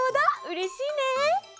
うれしいね！